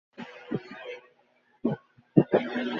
ছোড়ার লড়াই কীভাবে জিততে হয় জানতে চাও?